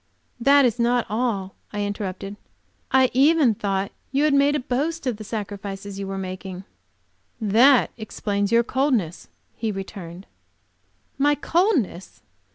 "That is not all," I interrupted, "I even thought you had made a boast of the sacrifices you were making." "That explains your coldness," he returned. "My coldness!